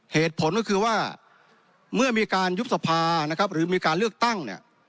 เหตุผลก็คือว่าเมื่อมีการยุบสภาหรือมีการเลือกตั้ง